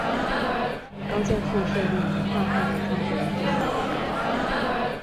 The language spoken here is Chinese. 高剑父是岭南画派的创始人之一。